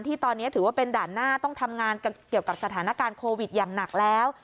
ตอนนี้ถือว่าเป็นด่านหน้าต้องทำงานเกี่ยวกับสถานการณ์โควิดอย่างหนักแล้ว